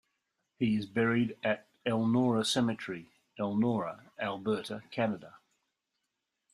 He is at buried at Elnora Cemetery, Elnora, Alberta, Canada.